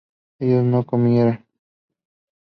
ellas no comieran